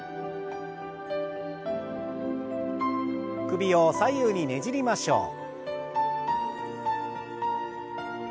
首を左右にねじりましょう。